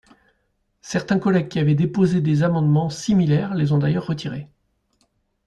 Certains collègues qui avaient déposé des amendements similaires les ont d’ailleurs retirés.